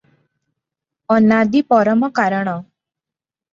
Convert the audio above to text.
ଅନାଦି ପରମକାରଣ ।